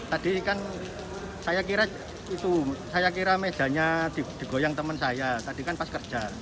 tadi kan saya kira itu saya kira mejanya digoyang teman saya tadi kan pas kerja